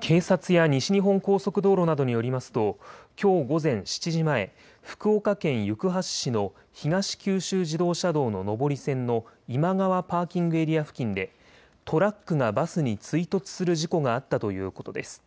警察や西日本高速道路などによりますと、きょう午前７時前、福岡県行橋市の東九州自動車道の上り線の今川パーキングエリア付近でトラックがバスに追突する事故があったということです。